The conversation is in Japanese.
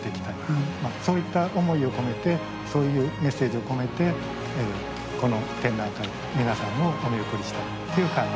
そういった思いを込めてそういうメッセージを込めてこの展覧会皆さんをお見送りしたいという考え。